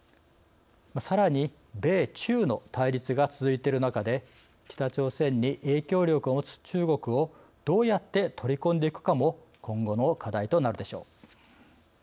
さらに米中の対立が続いてる中で北朝鮮に影響力を持つ中国をどうやって取り込んでいくかも今後の課題となるでしょう。